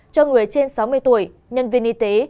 cho người trên sáu mươi tuổi nhân viên y tế